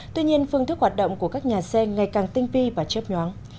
tuy nhiên phương thức hoạt động của các nhà xe ngày càng tinh vi và chớp nhoáng